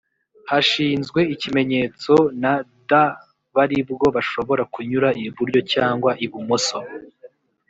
hashinzwe ikimenyetso n D b aribwo bashobora kunyura iburyo cyangwa ibumoso